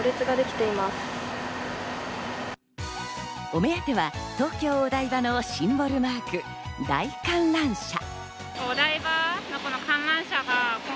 お目当ては東京・お台場のシンボルマーク、大観覧車。